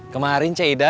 kemarin cik ida